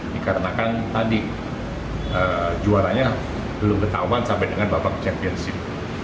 dikarenakan tadi juaranya belum ketahuan sampai dengan babak championship